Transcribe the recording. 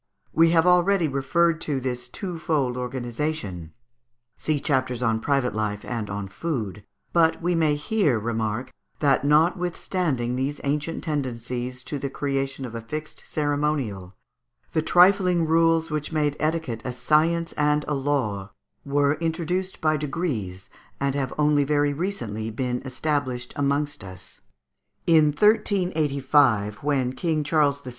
We have already referred to this twofold organization (vide chapters on Private Life and on Food), but we may here remark that, notwithstanding these ancient tendencies to the creation of a fixed ceremonial, the trifling rules which made etiquette a science and a law, were introduced by degrees, and have only very recently been established amongst us. In 1385, when King Charles VI.